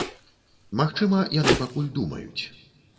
Магчыма, яны пакуль думаюць.